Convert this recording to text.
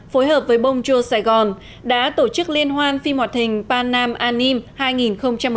phối hợp với bonjour saigon đã tổ chức liên hoan phim họa thình panam anime hai nghìn một mươi bảy